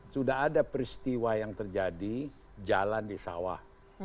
sudah ada peristiwa yang terjadi jalan di sawah